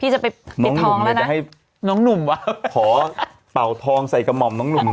จะไปปิดทองเลยจะให้น้องหนุ่มวะขอเป่าทองใส่กระหม่อมน้องหนุ่มหน่อย